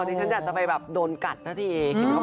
ดิฉันจะอยากจะไปแบบโดนกัดก็ได้เอง